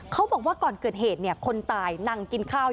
เขาบอกว่าก่อนเกิดเหตุคนตายนั่งกินข้าว